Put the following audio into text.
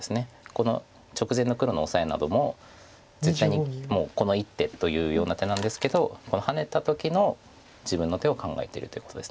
この直前の黒のオサエなども絶対にもうこの一手というような手なんですけどハネた時の自分の手を考えてるということです。